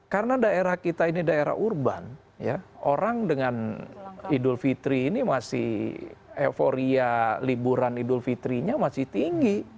karena daerah kita ini daerah urban orang dengan idul fitri ini masih euforia liburan idul fitrinya masih tinggi